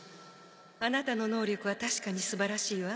あなたの能力は確かに素晴らしいわ。